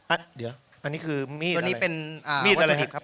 อ่ะเดี๋ยวอันนี้คือมีดอะไรมีดอะไรครับ